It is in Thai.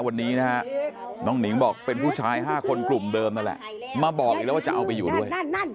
วันนี้นะฮะน้องหนิงบอกเป็นผู้ชาย๕คนกลุ่มเดิมนั่นแหละมาบอกอีกแล้วว่าจะเอาไปอยู่ด้วย